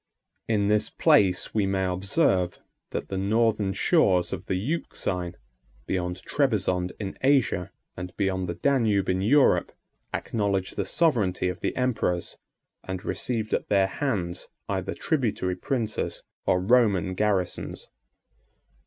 In this place we may observe, that the northern shores of the Euxine, beyond Trebizond in Asia, and beyond the Danube in Europe, acknowledged the sovereignty of the emperors, and received at their hands either tributary princes or Roman garrisons.